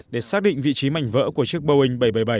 để xác định vị trí mảnh vỡ của chiếc boeing bảy trăm bảy mươi bảy